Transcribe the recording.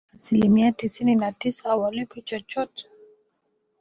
asilimia tisini na sita hawalipwi chochote